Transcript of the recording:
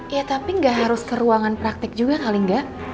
ya tapi gak harus ke ruangan praktek juga kali gak